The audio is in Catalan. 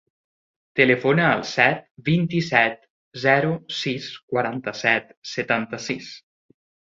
Telefona al set, vint-i-set, zero, sis, quaranta-set, setanta-sis.